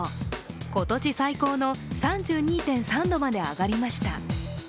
今年最高の３２．３度まで上がりました。